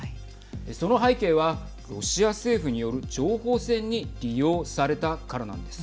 その背景はロシア政府による情報戦に利用されたからなんです。